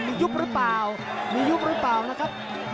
มียุบหรือเปล่ามียุบหรือเปล่านะครับ